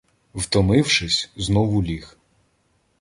Втомившись, знову ліг.